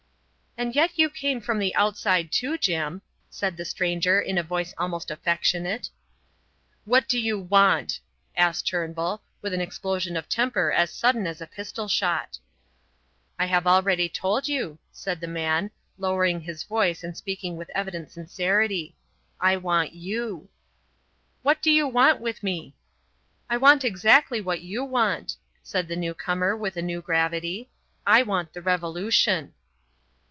"And yet you came from the outside, too, Jim," said the stranger in a voice almost affectionate. "What do you want?" asked Turnbull, with an explosion of temper as sudden as a pistol shot. "I have already told you," said the man, lowering his voice and speaking with evident sincerity; "I want you." "What do you want with me?" "I want exactly what you want," said the new comer with a new gravity. "I want the Revolution."